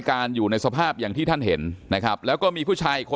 อยู่ในสภาพอย่างที่ท่านเห็นนะครับแล้วก็มีผู้ชายอีกคน